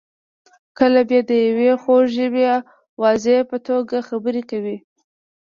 کله بیا د یوې خوږ ژبې واعظ په توګه خبرې کوي.